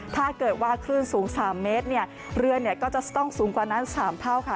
ถ้าเกิดว่าคลื่นสูง๓เมตรเนี่ยเรือก็จะต้องสูงกว่านั้น๓เท่าค่ะ